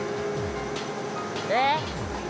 えっ？